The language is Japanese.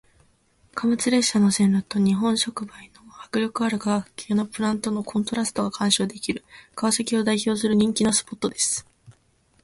貨物列車の線路と日本触媒の迫力ある化学系のプラントのコントラストが鑑賞できる川崎を代表する人気のスポットです。